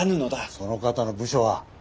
その方の部署は？